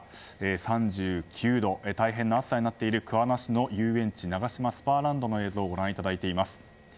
３９度と大変な暑さになっている桑名市の遊園地ナガシマスパーランドの映像をご覧いただいています。